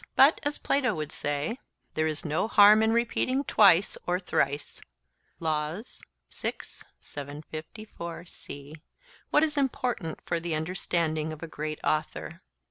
But, as Plato would say, 'there is no harm in repeating twice or thrice' (Laws) what is important for the understanding of a great author.